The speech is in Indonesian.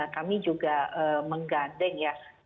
kami juga menggandeng